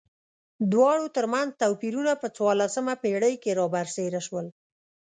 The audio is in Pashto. دواړو ترمنځ توپیرونه په څوارلسمه پېړۍ کې را برسېره شول.